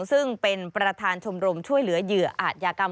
ซึ่งเป็นประธานชมรมช่วยเหลือเหยื่ออาจยากรรม